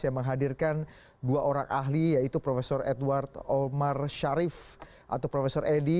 yang menghadirkan dua orang ahli yaitu prof edward omar sharif atau prof edi